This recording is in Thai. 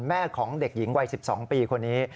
แม่ของเด็กหญิงวัย๑๒ปีคนนี้